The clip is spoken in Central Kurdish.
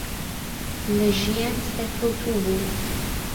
لە ژیان سەرکەوتوو بوو.